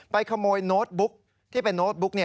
ไปขโมยโนสต์บุ๊คที่เป็นโนสต์บุ๊ค